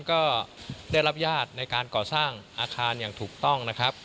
ก็ได้รับญาตในการก่อสร้างอาคารอย่างถูกต้องนะครับ